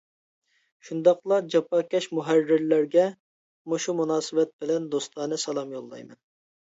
شۇنداقلا جاپاكەش مۇھەررىرلەرگە مۇشۇ مۇناسىۋەت بىلەن دوستانە سالام يوللايمەن.